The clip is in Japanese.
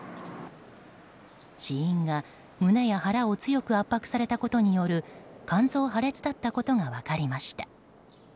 死因が、胸や腹を強く圧迫されたことによる肝臓破裂だったことが分かりました。